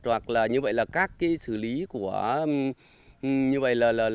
hoặc như vậy là các xử lý của